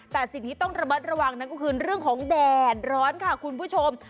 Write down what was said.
แต่สิ่งที่ต้องระมัดระวังนั่นก็คือเรื่องของแดดร้อนค่ะคุณผู้ชม